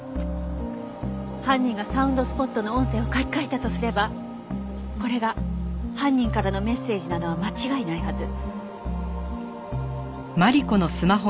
犯人がサウンドスポットの音声を書き換えたとすればこれが犯人からのメッセージなのは間違いないはず。